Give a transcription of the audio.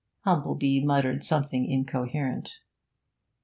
Humplebee muttered something incoherent.